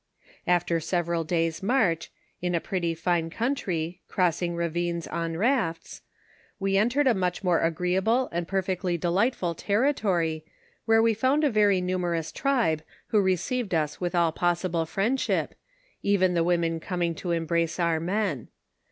After several days' march, in a I'lutty fine country, crossing ravines on rafts, we entered a much more agreeable and per fectly delightful territory, where wo found a very numerous tribe who received us with all possible friendship, even the women coming to embrace our men.